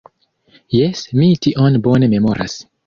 Jes, mi tion bone memoras.